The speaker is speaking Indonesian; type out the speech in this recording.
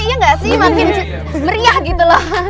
iya gak sih makin meriah gitu